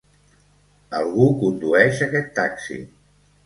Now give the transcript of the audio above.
Algú condueix aquest taxi.